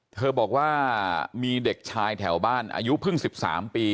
เธอบอกว่ามีเด็กชายแถวบ้านอายุเพิ่ง๑๓ปี